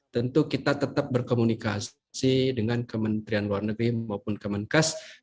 tentu kita tetap berkomunikasi dengan kementerian luar negeri maupun kemenkes